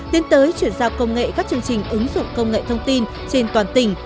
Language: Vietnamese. tiến tới chuyển giao công nghệ các chương trình ứng dụng công nghệ thông tin trên toàn tỉnh